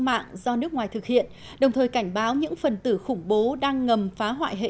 mạng do nước ngoài thực hiện đồng thời cảnh báo những phần tử khủng bố đang ngầm phá hoại hệ